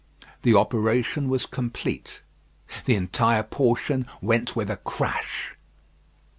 The operation was complete. The entire portion went with a crash.